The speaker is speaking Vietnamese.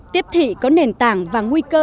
tiếp thị có nền tảng và nguy cơ